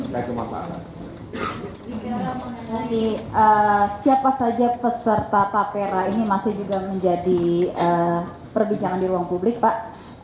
bicara mengenai siapa saja peserta tapera ini masih juga menjadi perbincangan di ruang publik pak